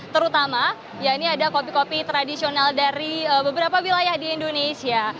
terutama ya ini ada kopi kopi tradisional dari beberapa wilayah di indonesia